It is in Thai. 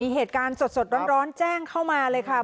เหตุการณ์สดร้อนแจ้งเข้ามาเลยค่ะ